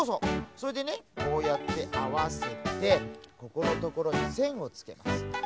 それでねこうやってあわせてここのところにせんをつけますね。